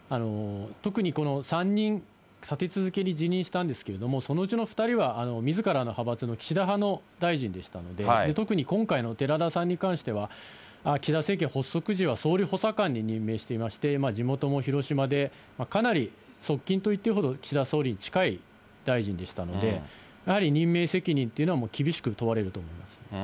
特に３人立て続けに辞任したんですけれども、そのうちの２人はみずからの派閥の岸田派の大臣でしたので、特に今回の寺田さんに関しては、岸田政権発足時は総理補佐官に任命していまして、地元も広島で、かなり側近と言っていいほど岸田総理に近い大臣でしたので、やはり任命責任というのは厳しく問われると思います。